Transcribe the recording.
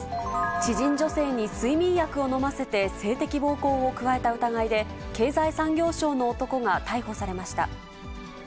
知人女性に睡眠薬を飲ませて性的暴行を加えた疑いで、経済産業省の男が逮捕されました。